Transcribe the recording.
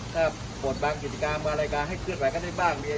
ถ้าเกิดบางกิจกรรมมารายการให้คืนไว้ก็ได้บ้างมี